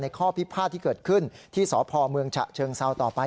ข้อพิพาทที่เกิดขึ้นที่สพเมืองฉะเชิงเซาต่อไป